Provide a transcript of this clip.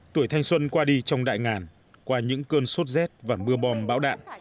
tuổi thanh xuân qua đi trong đại ngàn qua những cơn sốt rét và mưa bom bão đạn